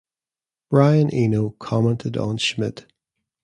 Brian Eno commented on Schmidt.